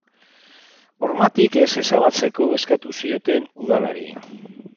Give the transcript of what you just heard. Hormatik ez ezabatzeko eskatu zioten udalari.